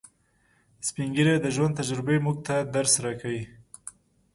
سپین ږیری د ژوند تجربې موږ ته درس راکوي